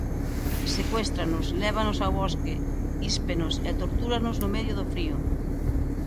Secuéstranos, lévanos ao bosque, íspenos e tortúranos no medio do frío.